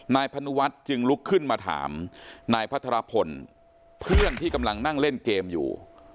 นายพนุวัฒน์จึงลุกขึ้นมาถามนายพัทรพลเพื่อนที่กำลังนั่งเล่นเกมอยู่